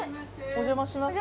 お邪魔します